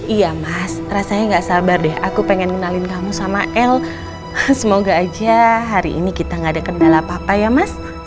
iya mas rasanya gak sabar deh aku pengen kenalin kamu sama el semoga aja hari ini kita gak ada kendala apa apa ya mas